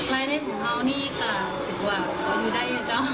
หายใดของเฮาวนี่ก็ถือว่าจะได้นะเจ้า